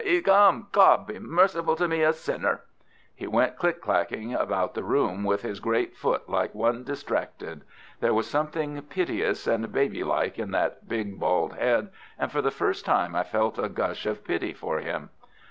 'e's come! God be merciful to me, a sinner!" He went click clacking about the room with his great foot like one distracted. There was something piteous and baby like in that big bald head, and for the first time I felt a gush of pity for him.